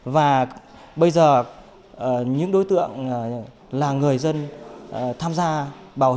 và bây giờ những đối tượng là người dân tham gia bảo hiểm